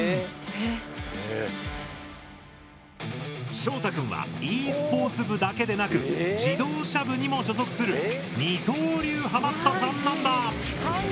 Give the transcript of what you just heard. しょうたくんはｅスポーツ部だけでなく自動車部にも所属する「二刀流ハマったさん」なんだ！